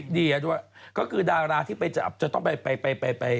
ดีอ่ะดูว่าก็คือดาราที่ไปจับจะต้องไปอธิบาย